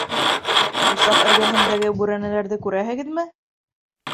— Усаҡ эргәһендәге бүрәнәләрҙе күрәһегеҙме?